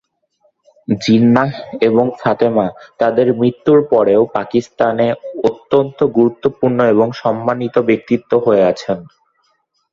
জিন্নাহ এবং ফাতেমা তাদের মৃত্যুর পরেও পাকিস্তানে অত্যন্ত গুরুত্বপূর্ণ এবং সম্মানিত ব্যক্তিত্ব হয়ে আছেন।